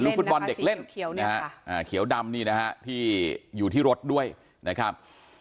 ฟุตบอลเด็กเล่นเขียวดำนี่นะฮะที่อยู่ที่รถด้วยนะครับ